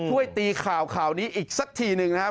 ช่วยตีข่าวข่าวนี้อีกสักทีหนึ่งนะครับ